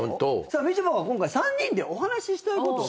みちょぱが今回３人でお話ししたいことを。